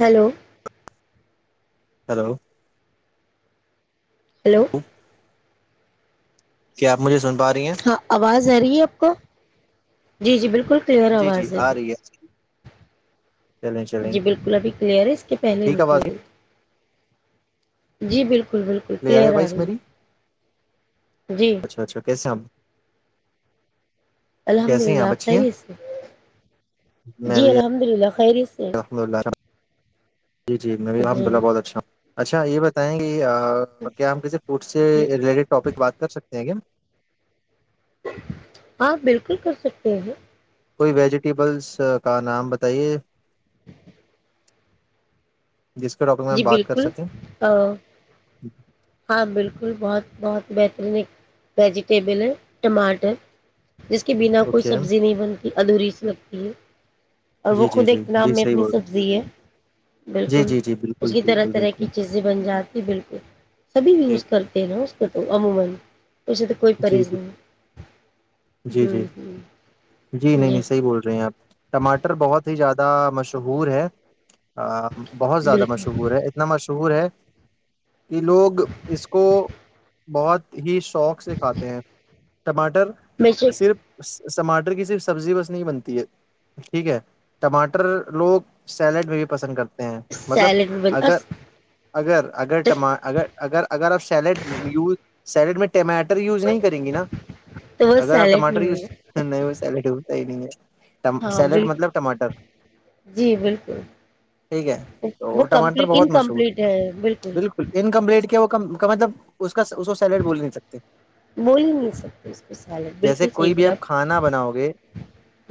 hello hello hello کیاپ مجھے سن پا رہی ہیں ہاں آواز آ رہی ہے آپ کا جی بالک بالکل کلیئر جی جی آواز ہے آ ابھی رہی چلیں چلیں جی بالکل ابھی کلیئر ہے اس کے پہلے ٹھیک ہے آواز نکلے گئی جی بالکل بالکل بالکل کلیئر آ رہی ہے جی اچھا اچھا کیسےم الحمد کیسے ہیں للہ آپ اچھی ہیں خری اس سے میں جی بھی الحمد للہ خری سے الحمد للہ جی جی میں بھی الحمد جی للہ بہت اچھ ہوں اچھا یہ بتائیں گے ج کیا آپ کے فوڈ سے ریٹڈ ٹاپک بات کر سکتے ہیں کیا آپ بالکل کر سکتے ہیں کوئی ویجیٹیبلس کا نام بتائیے جس کے ٹاپک میں جی ہم بات کر بالکل سکیں ہاں بالکل بہت بہت بہترین ایک ویجیٹیبل ہے ٹماٹر جس کے بنا کوئی اوکے سبزی نہیں بنتی ادھوری س لگتی ہے اور جی وہ جی خود جی ایک جی نام میں صحیح اپنی بول رہے سبزی ہے ہیں، جی بالکل جی جی بالکل اس کی طرح بالکل طرح بالکل کی چیزیں بن جاتی بالکل سبھی جی یوز کرتے ہیں نا اس کو تو عموما اسے تو کوئی جی پرہیز جی نہیں جی جی ہوں ہوں جی نہیں نہیں صحیح بول رہے ہیں آپ ٹماٹر بہت ہی زیادہ ا مشہور ہے ہ بہت زیادہ بالکل مشہور ہے اتنا مشہور ہے کہ لوگ اس کو بہت ہی شوق سے کھاتے ہیں ٹماٹر بیشک صرف ٹماٹر کی صرف سبزی بس نہیں بنتی ہے ٹھیک ہے ٹماٹر لوگ سیلیڈ میں بھی پسند کرتے مطلب سیلیڈ بھی بن اگر اس اگر اگرٹم اگر اگر اگر آپ سیلیڈ یوز سیلیڈ میں ٹمیٹو ٹر یوز نہیں کریں گی نا تو وہ اگر آپ سیلیڈ ٹاٹر نہیں یوز ہوگا ہو سیڈ ہو س نہیں ہے ہاں سیلیڈ بالکل مطلب ٹماٹر جی بالکل ٹھیک ہے وہ تو ٹماٹر کمپلیٹ بہت مشہور انکمپلیٹ ہے بالکل انکمپلیٹ کیا وہت کا مطلب اس کا اس کو سیلیڈ بول نہیں سکتے بول ہی نہیں سکتے اس کو سیلیڈ جیسے بالکل صحیح کوئی بھی بولا آپ کھانا بناؤ گے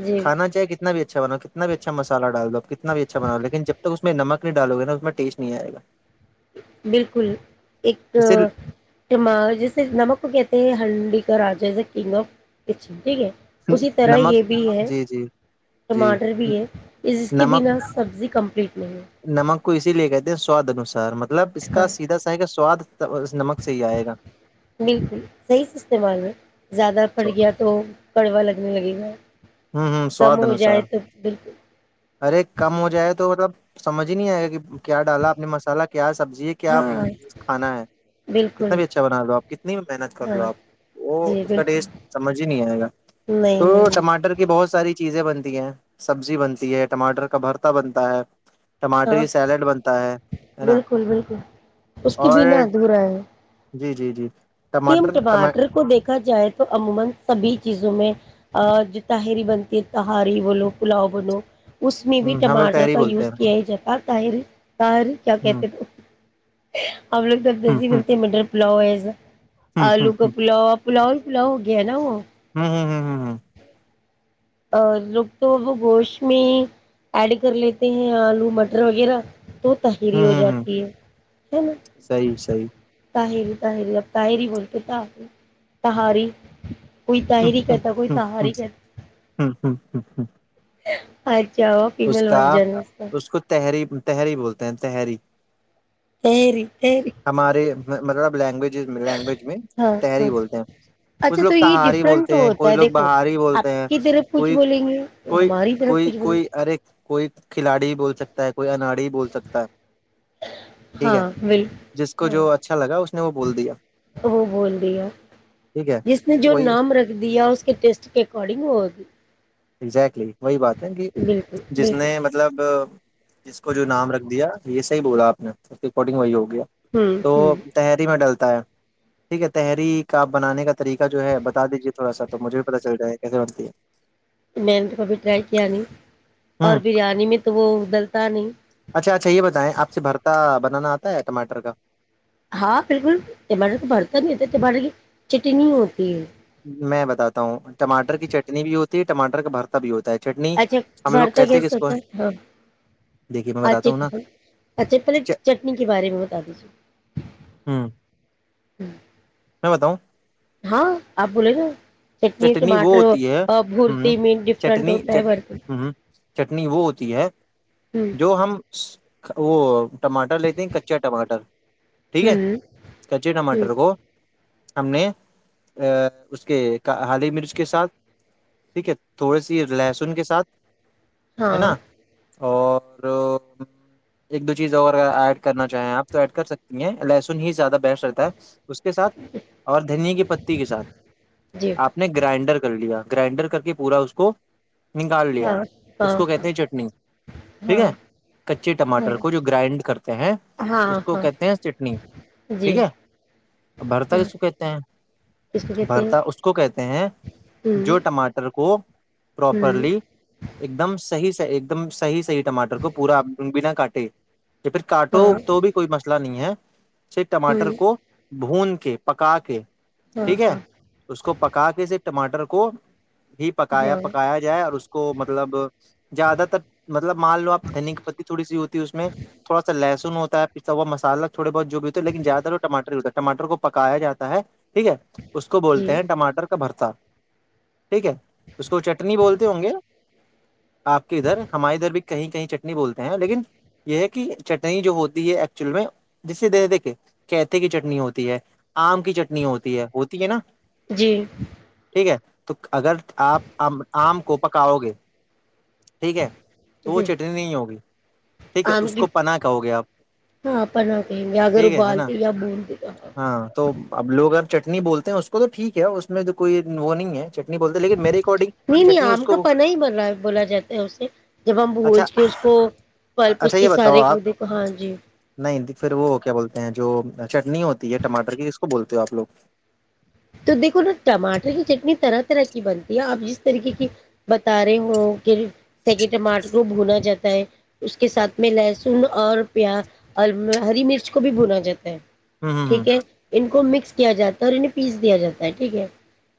جی کھانا چاہے کتنا بھی اچھا بناؤ کتنا بھی اچھا مسالہ ڈال دوو آپ کتنا بھی اچھا بناؤ لیکن جب تک اس میں نمک ڈالوے نا اس میں ٹیسٹ نہیں آئے گا بالکل اسے ایکٹما جیسے نمک کو کہ یہ ہنڈکا رجاز کگ اف اچ ٹھیک ہے اسی طرح نمک یہ بھی ہے جی جی جی ٹماٹر بھی ہے جس کے نمک بنا سبزی کمپنی نمک کو اسی لیے کہتے ہیں سواد انسار م ملب اس ہاں کا سیدھا سہ کا سواد اس نمک سے ہی آئے گا بالکل صحیح سے استعمال ہے زیادہ پھٹ سو- گیا تو کڑوا لگ ان لگ میں ہوں ہوں سواد انوسار ارے کم ہو جائے تو مطلب سمجھ ج آئے گا کہ کیا ڈالا آ نے مسال کیا سبزی ہے کیا ہاں کھانا ہے کتنا بالکل بھی اچھا بنا لو آپ کتنی محنت کر لو ہاں آپ وہ جی اس کا بالکل ٹیسٹ سمجھ ہی نہیں آئے گا نہیں تو نہیں ٹماٹر ساری چیزیں بنتی ہیں سبزی بنتی ہے ٹماٹر کا بھرتا بنتا ہے ٹماٹر ہاں کی سیلیڈ بنتا ہے ہے نا بالکل بالکل اس کے اور بنا ادھورا ہے جی جی جی ٹیم ٹماٹر کو دیکھا جائے تو عموما سبھی چیزوں میں ا جو تہری بنتی ہے تہاری بولو پلاؤ بنو اس میں بھی ہوں، ہم لوگ ٹماٹر تحری کا بولتے ہیں یوز کیا جاتا تاہر طر کیا ہ کہتے تھ ا اگ ہ دبجی ہ ولتےم منر پلئز ہ ہ آلو کا ہ پلاو پلاؤ ا ل ہو گیا نا وہ ہ ہ ہ ہ اور لوگ تو وہ گوشت میں ایڈ کر لیتے ہیں آلو مٹر وغیرہ تو ہ تہری ہو ہ ہ جاتی ہے ہے نا صحیح صحیح تاہری تاہری اب تاہری بولتے ت تاری کوئی ہوں تاہری ہوں کہتا کوئی ہوں ہوں تاہاری کہتا ہوں ہوں ہ ہوں اچا جاؤ اس فیمل کا وور جن اس کو تحری تحری بولتے ہیں تحری تری تری ہمارے مطلب لینگویجز لینگویج میں ہاں تہری ہاں بولتے ہیں کچھ اچھا لوگ تو یہ تہاری ڈفرنٹ بولتے ہیں ہوتا کچھ ہے لوگ دیکھو بہاری آپ بولتے ہیں کی طرف کچھ کوئی بولیں گے کوئی ہماری طرف کوئی کچھ بولیں کوئی گے کوئی کھلاڑی بول سکتا ہے کوئی اناڑی بول سکتا ہے ٹھیک ہاں ہے بال جس کو ہاں جو اچھا لگا اس نے وہ بول دیا وہ بول دیا ٹھیک ہے جس نے جو وہی نام رکھ دیا اس کے ٹیسٹ کے اکارڈنگ وہ ہوگی اگزیکٹلی وہی بات ہے کہ بالکل جس بالکل نے مطلب جس کو جو نام رکھ دیا یہ صح بولا آپ نے اس کے ایکارڈنگ وہی ہوگی گیا ہوں تو ہوں تحری میں ڈلتا ٹھیک ہے تحری کا آپ بنانے کا طریقہ جو ہے بتا دیجیے تھوڑا سا تو مجھے بھی پتا چل جائے گا کیسے بنتی ہے میں نے توبھی ٹرائی کیا نہیں ہے اور ہ بریانی میں تو وہ ادلتا نہیں اچھا اچھا یہ بتائیں آپ سے بھرتا بنانا آتا ہے ٹماٹر کا ہاں بالکل تمارے تو بھرتا نہیں تھا تمارے چٹنی ہوتی ہے میں بتاتا ہوں ٹمٹر کی چٹنی بھی ہوتی ہے ٹماٹر کا بھرتا بھی ہوتا ہے چٹنی اچھا ہم لوگ بار کا کہتے ہیں کہ گیسٹ اس کو ہوتا ہاں دیکھیے میں بتاتا اچھا ہوں نا اچھا پہلے چٹنی کے بارے میں بتا دیجے ہوں ہ بتاؤں ہاں آپ بولے گا چٹنی وہ ٹماٹر ہوتی ہے بورتی ہ مٹ ڈفرنٹ چٹنی ات چ ہے برتی ہ چٹنی وہ ہوتی ہے جو ہم وہ ٹماٹر لیتے ہیں کچا ٹماٹر ٹھیک ہے ہوں کچے ٹماٹر کو ہم نے ا اس کے ہالی مرچ کے ساتھ ٹھیک ہے تھوڑی سی لہسن کے ساتھ ہے نا ہاں اور ایک دو چیز اور ایڈ کرنا چاہیں آپ تو ایڈ کر سکتی ہیں لہسن ہی زیادہ بیسٹ رہتا ہے اس کے ساتھ اور دھنییا کی پتی کے ساتھ جی آپ نے گرائنڈر کر لیا گرائنڈر کر کے پورا اس کو نکال ہاں لیا اس ہاں کو کہتے ہیں چٹنی ٹھیک ہاں ہے کچے ہاں ٹماٹر کو جو گرائنڈ کرتے ہیں اس ہاں کو ہاں کہتے ہیں چٹنی جی ٹھیک ہے بھرتا ہاں کس کو کہتے ہیں کس کو کہتے ہیں بھرتا اس اس کو کہتے ہیں ہوں جو ٹماٹر کو ہوں پروپرلی ایک دم صحیح سے ایک دم صح سے سی ٹر کو پوراینا کاٹ کہ پھر کاٹو ہاں تو بھی کوئی مسئلہ نہیں ہے سے ٹماٹر ہوں کو بھون کے پکا کے ہاں ٹھیک ہے ہاں اس کو پکا کے اس ٹماٹر کو ہی پکایا ہاں پکایا جائے اور اس کو مطلب زیادہ تر مطلب مان لو آپ دھنیے کی پتی تھوڑی سی ہوتی اس میں تھوڑا سا لہسن ہو تا ہے پسا ہوا مسالا تھوڑے بہت جو بھی ہوتے ہے لیکن زیادہ تو ٹماٹر ہوتا ٹماٹر کو پکایا جاتا ہے ٹھیک ہے اس کو بولتے جی ہیں ٹماٹر کا بھرتا ٹھیک ہے اس کو چٹنی بولتے ہوں گے آپ کے ادھر ہمارے ادھر بھی کہیں کہیں چٹنی بولتے ہیں لیکن یہ ہے کہ چٹنی جو ہوتی ہے ایکچول میں جسے دیکھ دیکھ کہتے کی چٹنی ہوتی ہے آم کی چٹنی ہوتی ہے ہوتی ہے نہ جی تو اگر آپ آم کو پکاؤ گے ٹھیک ہے تو وہ جی چٹنی نہیں ہوگی ٹھیک ہے آم اس کی کو پناہ کہو گے آپ ہاں اپنا کہیں گے اگر ٹھیک ہے ہے نہ ابالتے یا بونتے تو ہاں تو اب لوگ اگر چٹنی بولتے ہیں اس کو تو ٹھیک کیا اس میں تو کوئی وہ نہیں ہے چٹنی بولتے ہیں، لیکن میرے اکارڈنگ نہیں نہیں چٹنی اس آم کا کو پنا ہی بن رہا بولا جاتا ہے اسے جب ہم اچھا بھج کے اس کو پلپ اس اچھا کے یہ بتاؤ سارے کو آپ دے کو ہاں جی نہیں پھر وہ کیا بولتے ہیں جو چٹنی ہوتی ہے ٹماٹر کی جس کو بولتے ہو آپ لوگ تو دیکھو نہ ٹماٹر کی چٹنی طرح طرح کی بنتی ہے آپ جس طریقے کی بتا رہے ہو کہ سکے ٹماٹر کو بھونا جاتا ہے اس کے ساتھ میں لہسن اور پیاز اور ہری مرچ کو بھی بھونا جاتا ہے ٹھیک ہے اوکے ان کو مکس کیا جاتا اور پیس دیا جاتا ہے ٹھیک ہے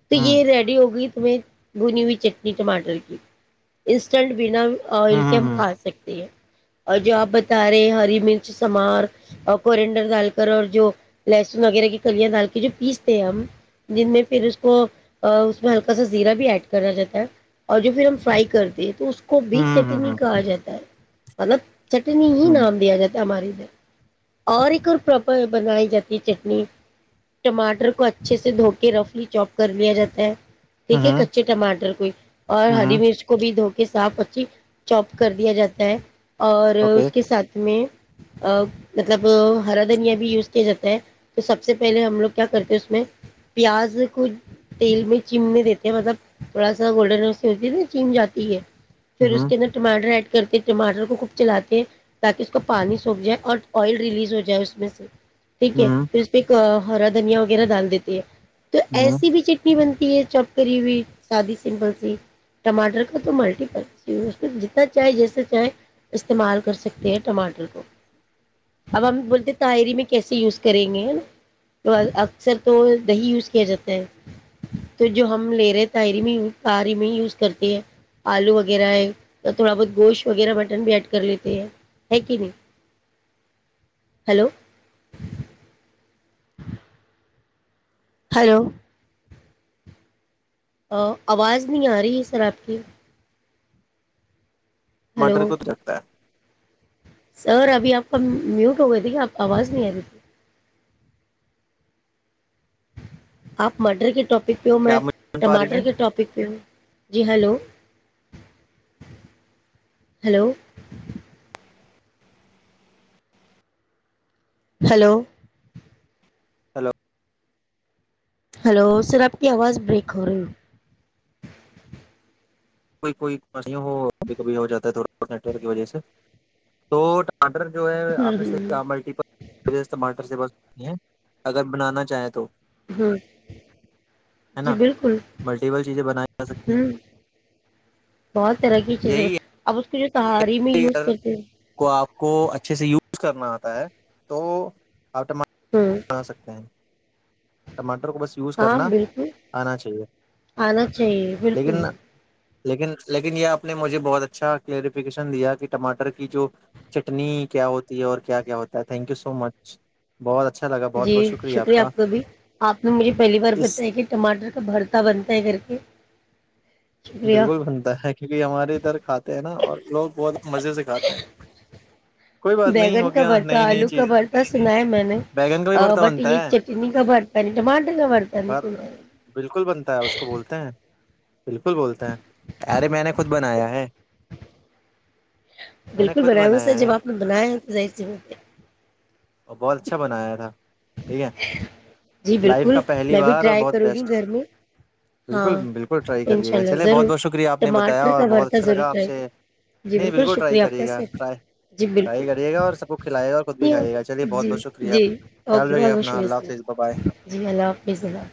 تو یہ ریڈی ہو گئی میں بھونی ہوئی چٹنی ٹماٹر کی انسٹنٹ بنا آئل کے ہم کھا سکتے ہیں اور جو آپ بتا رہے ہری مرچ سمار اور کورنڈر ڈال کر اور جو لہسن وغیرہ کی کلیاں ڈال کے جو پیس ہم جن میں پھر اس کو اس میں ہلکا سا زیرا بھی ایڈ کیا جاتا ہے اور جو پھر ہم فرائی کرتے تو کو کو بھی چٹنی کہا جاتا ہے مطلب چٹنی ہی نام دیا جاتا ہمارے ادھر اور ایک اور پراپر بنائی جاتی ہے چٹنی ٹماٹر کو کو اچھے سے دھو کے رفلی چوپ کر لیا جاتا ہے ٹھیک ہے کچے ٹماٹر کوئی اور ہری مرچ کو بھی دھو کہ ساف اچھی چوپ کر دیا جاتا ہے اور اس کے ساتھ میں مطلب ہرا دھنیا بھی یوز کیا جاتا ہے تو سب سے پہلے ہم لوگ کیا کرتے پیاز کو تیل میں چمنے دیتے ہیں مطلب تھوڑا سا گولڈن ہوتی ہے چم جاتی ہے پھر اس کے اندر ٹماٹر ایڈ کرتے ٹماٹر کو خوب چلاتے تاکہ اس کو پانی سوکھ جائے اور آئل ریلیز ہو جائے اس میں سے ٹھیک ہے ج پ ایک ہرا دھنیا وغیرہ ڈال دیتی ہے تو ایسی بھی چٹنی بنتی چوپکری ہوئی سادی سمپل سی ٹماٹر کا تو ملٹی جتنا چائے جیسے چائے استعمال کر سکتے ہیں ٹماٹر کو اب ہم بولتے تعری میں کیسے یوز کریں گے نا تو سر تو دہی یوز کیا جاتا ہے تو جو ہم لے رہے ہیں تاہری میں تاری میں ہی یوز کرتے ہیں آلو وغیرہ ہے یا تھوڑا بہت گوشت وغیرہ مٹن بھی ایڈ کر لیتے ہیں ہے کہ نہیں ہلو ہلو ا آواز نہیں آ رہی ہے سر آپ کی ہلو مٹر کود لگتا ہے سر ابھی آپ کا میوٹ ہو گیا تھا کہ آپ آواز نہیں آ رہی تھی آپ مرڈر کے ٹاپ ٹپک پ کیا میں آپ مجھے پا رہی ٹماٹر ہیں کے ٹاپک پ ہوں جی hello hello hello hello hello sir آپ کی آواز بریک ہو رہی ہو کوئی ہو کبھی کبھی ہو جاتا ہے تھڑا نیٹورک کی وجہ سے تو ٹماٹر جو ہے آپ نے صحی ہوں کہ ملٹیل ٹاٹر سے ب اگر بنانا چاہیں تو ہوں ہوں ہے جی نا بالکل ملٹیپل چیزیں بنائی جا سکتی ہیں ہوں بہت طرح کی چیزیں یہی ا اس ساریے میں یوز ہے کرتے ہیں کو آپ کو اچھے سے یوز کرنا آتا ہے تو آپٹم ہوں بنا سکتے ہیں ٹماٹر کو بس یوز ہاں کرنا بالکل آنا چاہیے آنا چاہیے بالکل لیکن لیکن لیکن یہ آپ نے مجھے بہت اچھا کلیریفی دیا کہ ٹماٹر کی جو چٹنی کیا ہوتی ہے اور کیا کیا ہوتا ہے تھینک یو سو مچ بہت اچھا جی شکریہ آپ کا بھی آپ نے مجھے پہلی بار اس بتایا کہ ٹماٹر کا بھرتا بنتا ہے کر کے شکریہ بالکل بنتا ہے کیونکہ ہمارے ادھر کھاتے ہیں نا اور لوگ بہت مزے سے کھاتے ہیں کوئی بات نہیں بیگن ہو کا گیا برتن نئی نئی آلو کا چیز برتن سنا ہے میں نے بیگن کا بھی بھرتا بٹ بنتا یہ ہے چٹنی کا برت نہیں ٹماٹر کا برت نہیں بھر بالکل بنتا ہے اس کو سنایا بولتے ہیں بالکل بولتے ہیں ارے میں نے خود بنایا ہ [inaudible] بالکل بنایا ہو سر جب آپ نے بنایا ہے تو ظاہ سی اور بہت اچھا بنایا تھا ٹھیک ہے جی لائف بالکل کا پہلی میں بھی بار اور ٹرائی بہت کروں بیسٹ گی گھر میں ہاں بالکل بالکل ٹرائی کرے انشاء گا اللہ چلے بہت ضرور بہت شکریہ آپ نے بتایا ٹماٹر اور کا بہت بھرتا اچھا ضرور لگاپ ٹرائی سے جی نہیں بالکل ٹرائی شکریہ آپ کریے کا گا سر ٹائی جی بالکل ٹرائی کرے گا اور سب کو کھلے گا اور خود بھی جی کھائیے گا چلیے بہت جی بہت شکریہ جی خیال اوکے رے بہت بہت اپنا شکریہ اللہ سر حافظ ب بائے جی اللہ حافظ اللہ